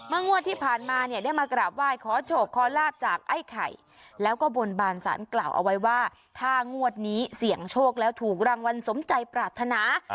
งวดที่ผ่านมาเนี่ยได้มากราบไหว้ขอโชคขอลาบจากไอ้ไข่แล้วก็บนบานสารกล่าวเอาไว้ว่าถ้างวดนี้เสี่ยงโชคแล้วถูกรางวัลสมใจปรารถนา